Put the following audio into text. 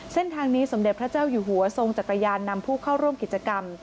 เส้นทางนี้สมเด็จพระเจ้าอยู่หัวทรงจักรยานนำผู้เข้าร่วมกิจกรรม